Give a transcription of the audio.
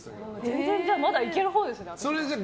全然まだいけるほうですねじゃあ。